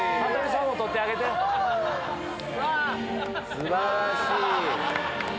うわ！素晴らしい！